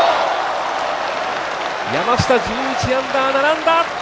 山下、１１アンダー並んだ！